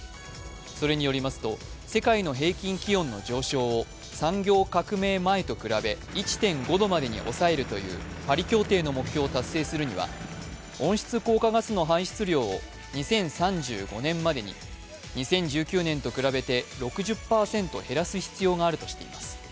それによりますと、世界の平均気温の上昇を産業革命前と比べ１．５度までに抑えるというパリ協定の目標を達成するには温室効果ガスの排出量を２０３５年までに、２０１９年と比べて６０％減らす必要があるとしています。